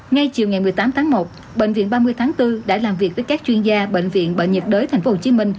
ngay chiều ngày một mươi tám tháng một bệnh viện ba mươi tháng bốn đã làm việc với các chuyên gia bệnh viện bệnh nhiệt đới tp hcm